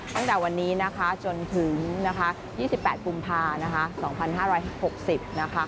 ตั้งแต่วันนี้จนถึง๒๘ปุ่มภาคม๒๕๖๐บาท